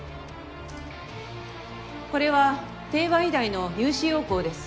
これは帝和医大の入試要項です。